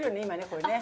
これね